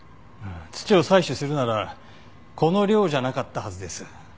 土を採取するならこの量じゃなかったはずです。